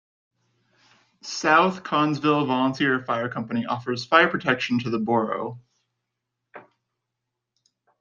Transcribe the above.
South Connellsville Volunteer Fire Company offers fire protection to the borough.